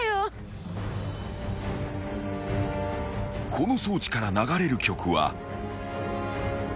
［この装置から流れる曲は］